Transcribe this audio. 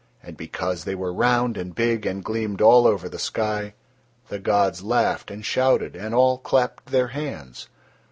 And because they were round and big and gleamed all over the sky, the gods laughed and shouted and all clapped Their hands.